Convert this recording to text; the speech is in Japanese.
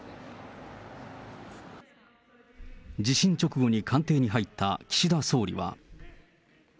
地震直後に官邸に入った岸田総理は。